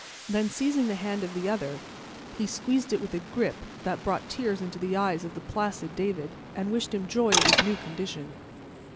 Then, seizing the hand of the other, he squeezed it with a grip that brought tears into the eyes of the placid David, and wished him joy of his new condition.